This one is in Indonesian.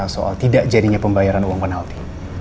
soal tidak jadinya pembayaran uang penalti